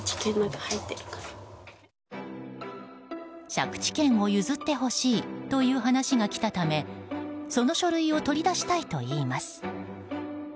借地権を譲ってほしいという話が来たためその書類を取り出したいといいます。